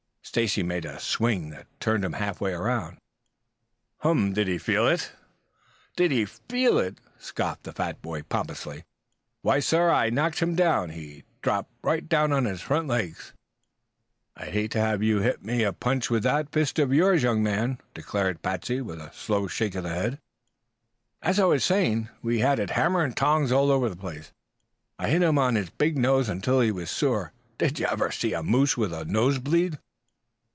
Stacy made a swing that turned him half way around. "Hm m m! Did he feel it?" "Did he feel it?" scoffed the fat boy pompously. "Why, sir, I knocked him down. He dropped right down on his front legs." "I'd hate to have you hit me a punch with that fist of yours, young man," declared Patsey with a slow shake of the head. "As I was saying, we had it hammer and tongs all over the place. I hit him on his big nose until it was sore. Did you ever see a moose with a nose bleed?"